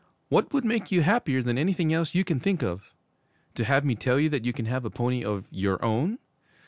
'What would make you happier than anything else you can think of? To have me tell you that you can have a pony of _your own?